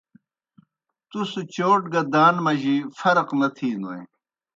تُس چوٹ گہ دان مجی فرق نہ تِھینوْئے۔